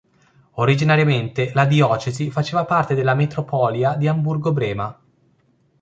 Originariamente la diocesi faceva parte della metropolia di Amburgo-Brema.